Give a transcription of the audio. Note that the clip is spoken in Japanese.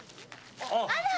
あら。